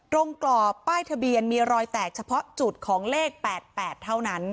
กรอบป้ายทะเบียนมีรอยแตกเฉพาะจุดของเลข๘๘เท่านั้น